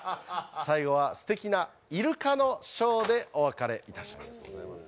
最後はすてきなイルカのショーでお別れします